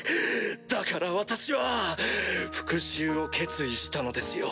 だから私は復讐を決意したのですよ。